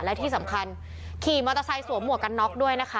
และที่สำคัญขี่มอเตอร์ไซค์สวมหมวกกันน็อกด้วยนะคะ